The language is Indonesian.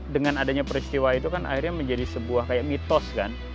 dengan adanya peristiwa itu kan akhirnya menjadi sebuah kayak mitos kan